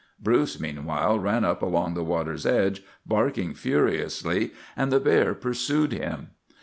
Bruce, meanwhile, ran up along the water's edge, barking furiously, and the bear pursued him.